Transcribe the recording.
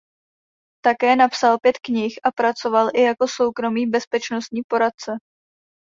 Také napsal pět knih a pracoval i jako soukromý bezpečnostní poradce.